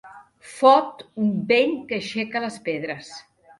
Fot un vent que aixeca les pedres.